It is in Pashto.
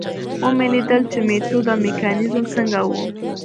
ومې لیدل چې میتود او میکانیزم څنګه و.